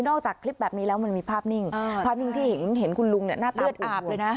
นอกจากคลิปแบบนี้แล้วมันมีภาพนิ่งภาพนิ่งที่เห็นคุณลุงหน้าตาปูดบวม